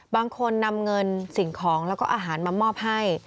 บางคนนำเงินสิ่งของแล้วก็อาหารมามอบให้